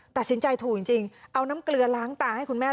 ตัดสินใจถูกจริงเอาน้ำเกลือล้างตาให้คุณแม่